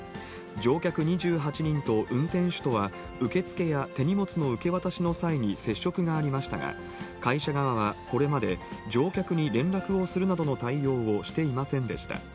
乗客２８人と運転手とは、受け付けや手荷物の受け渡しの際に接触がありましたが、会社側はこれまで、乗客に連絡をするなどの対応をしていませんでした。